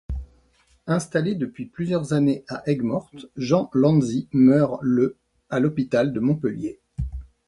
Installé depuis plusieurs années à Aigues-Mortes, Jean Lanzi meurt le à l'hôpital de Montpellier.